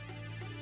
oh itu orangnya